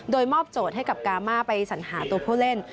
โดยมอบโจทย์ให้กับกามาไปสัญหาตัวผู้เล่น